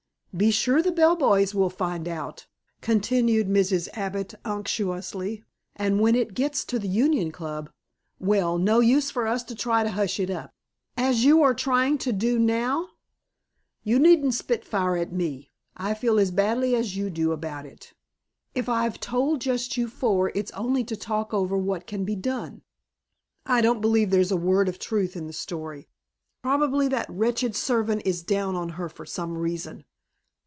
"Be sure the bell boys will find it out," continued Mrs. Abbott unctuously. "And when it gets to the Union Club well, no use for us to try to hush it up." "As you are trying to do now!" "You needn't spit fire at me. I feel as badly as you do about it. If I've told just you four it's only to talk over what can be done." "I don't believe there's a word of truth in the story. Probably that wretched servant is down on her for some reason.